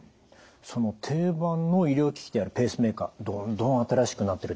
その定番の医療機器であるペースメーカーどんどん新しくなってるってことですね。